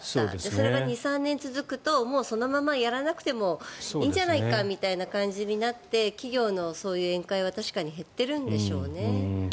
それが２３年続くともうそのまま、やらなくてもいいんじゃないかみたいな感じになって企業のそういう宴会は確かに減ってるんでしょうね。